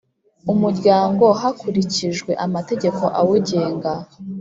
umuryango hakurikijwe amategeko awugenga